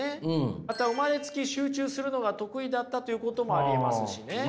また生まれつき集中するのが得意だったということもありえますしね。